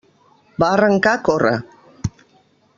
Va arrencar a córrer.